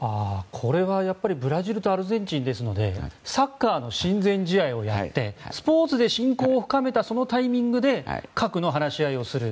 これはブラジルとアルゼンチンですのでサッカーの親善試合をやってスポーツで親交を深めたそのタイミングで核の話し合いをする。